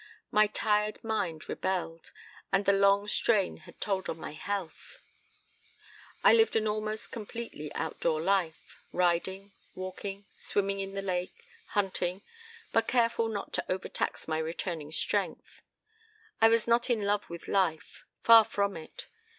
My tired mind rebelled. And the long strain had told on my health. "I lived an almost completely outdoor life, riding, walking, swimming in the lake, hunting, but careful not to overtax my returning strength. I was not in love with life, far from it!